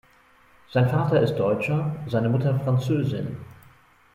Sein Vater ist Deutscher, seine Mutter Französin.